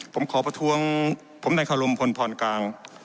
ผมขอประทวงผมแต่งขะลมผลพรค์พก